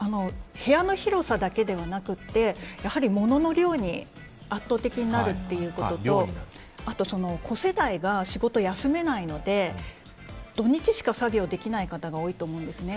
部屋の広さだけではなくてやはり物の量に圧倒的になるということとあと、子世代が仕事を休めないので土日しか作業できない方が多いと思うんですね。